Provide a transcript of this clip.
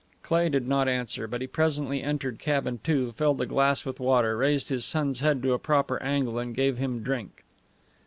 Cleigh did not answer, but he presently entered Cabin Two, filled a glass with water, raised his son's head to a proper angle, and gave him drink.